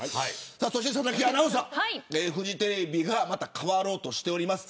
そして佐々木アナウンサーフジテレビがまた変わろうとしています。